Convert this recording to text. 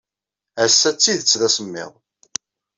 Ass-a, d tidet d asemmiḍ.